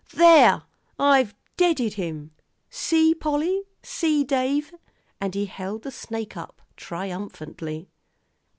"There, I've deaded him; see, Polly see, Dave!" and he held the snake up triumphantly.